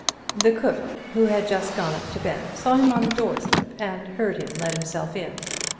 "The cook, who had just gone up to bed, saw him on the doorstep and heard him let himself in.